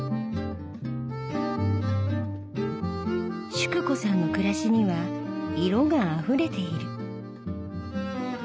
淑子さんの暮らしには色があふれている。